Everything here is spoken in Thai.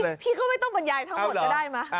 พี่ก็ไม่ต้องบรรยายทั้งหมดก็ได้มั้